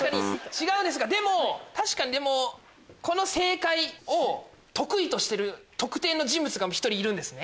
違うんですでも確かにこの正解を得意としてる特定の人物が１人いるんですね。